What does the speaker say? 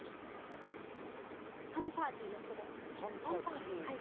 パンパーティーをするんです。